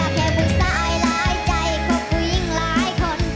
กะแค่พูดสายหลายใจขอบคุยยิ่งหลายคน